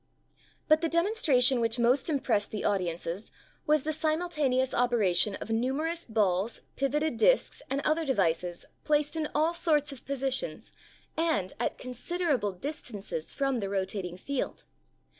But the demonstration which most im prest the audiences was the simultaneous operation of numerous balls, pivoted discs and other devices placed in all sorts of positions and at considerable distances from the rotating field.